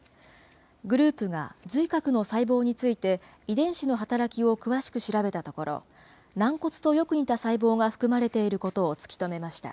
グループが髄核の細胞について、遺伝子の働きを詳しく調べたところ、軟骨とよく似た細胞が含まれていることを突き止めました。